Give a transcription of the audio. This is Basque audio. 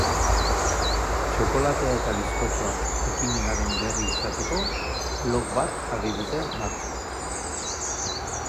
Txokolatea eta bizkotxoak ekimenaren berri izateko, blog bat jarri dute martxan.